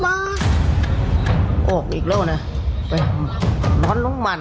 แล้วก็เล็กยาวด้วยเขาใส่เสื้อแล้วก็มีกระโปรงด้วย